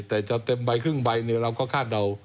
แต่จะเต็มใบครึ่งใบเราก็คาดเดา